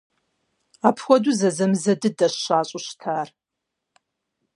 Апхуэдэу зэзэмызэ дыдэщ щащӀу щытар.